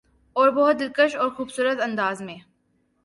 اور بہت دلکش اورخوبصورت انداز میں